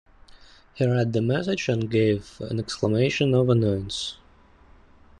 He read the message and gave an exclamation of annoyance.